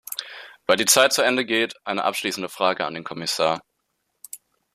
Weil die Zeit zu Ende geht, eine abschließende Frage an den Kommissar.